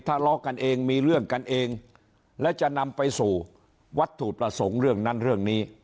ทะเลาะกันเองมีเรื่องกันเองและจะนำไปสู่วัตถุประสงค์เรื่องนั้นเรื่องนี้